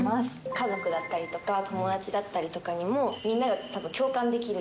家族だったりとか、友達だったりとかにも、みんなが共感できる。